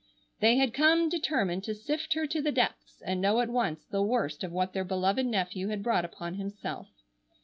They had come determined to sift her to the depths and know at once the worst of what their beloved nephew had brought upon himself.